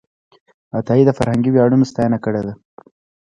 عطایي د فرهنګي ویاړونو ستاینه کړې ده.